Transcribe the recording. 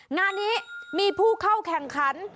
งานนี้มีผู้เข้าแข่งขัน